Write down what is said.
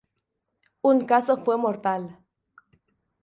Un caso fue mortal.